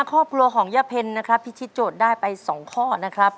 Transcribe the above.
ครอบครัวของย่าเพ็ญนะครับพิธีโจทย์ได้ไป๒ข้อนะครับ